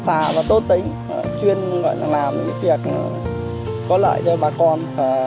thật là tốt tính chuyên làm những việc có lợi cho bà con gia đình và nhân dân